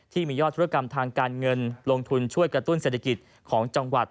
ที่มียอดธุรกรรมทางการเงินลงทุนช่วยกระตุ้นเศรษฐกิจของจังหวัด